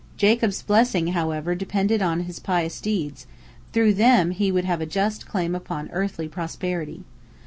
Jacob's blessing, however, depended upon his pious deeds; through them he would have a just claim upon earthly prosperity.